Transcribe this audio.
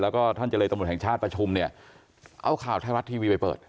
แล้วก็ท่านเจรตำรวจแห่งชาติประชุมเนี่ยเอาข่าวไทยรัฐทีวีไปเปิด